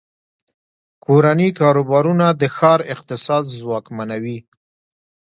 کورني کاروبارونه د ښار اقتصاد ځواکمنوي.